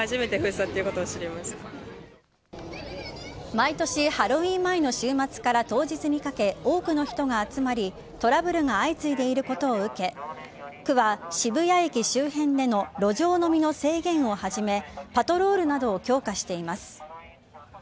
毎年ハロウィーン前の週末から当日にかけ、多くの人が集まりトラブルが相次いでいることを受け区は渋谷駅周辺での路上飲みの制限を始めパトロールなどを強化しています。